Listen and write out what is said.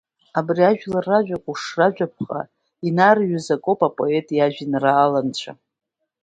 Абри ажәлар ражәа ҟәыш, ражәаԥҟа инарҩыз акоуп апоет иажәеинраала анцәа.